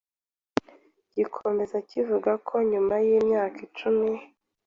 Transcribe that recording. gikomeza kivuga ko nyuma y’imyaka icumi